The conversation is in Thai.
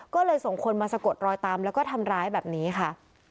ก็เลยส่งคนมาสะกดรอยตามแล้วก็ทำร้ายแบบนี้ค่ะ